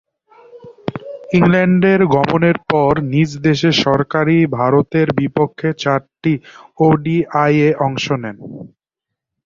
England গমনের পর নিজ দেশে সফরকারী ভারতের বিপক্ষে চারটি ওডিআইয়ে অংশ নেন।